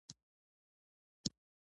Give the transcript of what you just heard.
• دښمني د شومو اعمالو نتیجه ده.